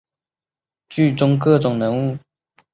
剧中各种人物的配音也是十分具有特色的地方。